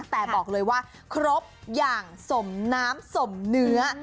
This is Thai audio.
แต่บอกเลยว่าครบอย่างสมน้ำสมเนื้อ